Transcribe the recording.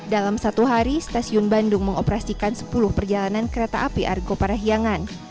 dalam satu hari stasiun bandung mengoperasikan sepuluh perjalanan kereta api argo parahiangan